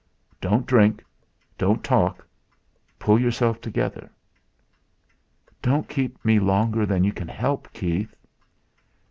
Don't drink. Don't talk! Pull yourself together." "Don't keep me longer than you can help, Keith!"